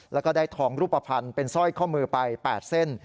แล้วก็ได้ทองรูปภัณฑ์เป็นสร้อยข้อมือไป๘เส้น